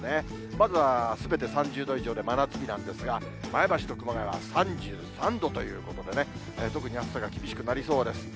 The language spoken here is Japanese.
まずは、すべて３０度以上で真夏日なんですが、前橋と熊谷は３３度ということでね、特に暑さが厳しくなりそうです。